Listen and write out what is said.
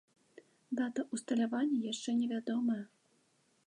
Дата ўсталявання яшчэ невядомая.